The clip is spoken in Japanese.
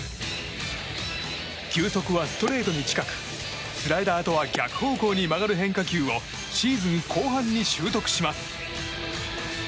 球速はストレートに近くスライダーとは逆方向に曲がる変化球をシーズン後半に習得します。